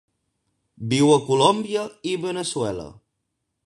Viu a Colòmbia i Veneçuela.